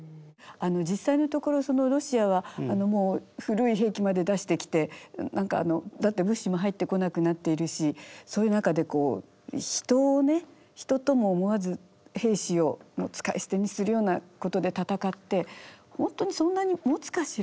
実際のところロシアはもう古い兵器まで出してきて物資も入ってこなくなっているしそういう中で人を人とも思わず兵士を使い捨てにするようなことで戦って本当にそんなにもつかしら？